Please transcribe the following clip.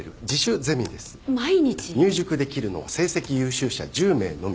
入塾できるのは成績優秀者１０名のみ。